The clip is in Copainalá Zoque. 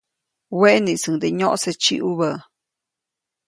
Weʼniʼisuŋde nyoʼse tsiʼubä.